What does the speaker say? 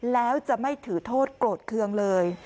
แล้วจะไม่ถือโทษโกรธเคืองเลย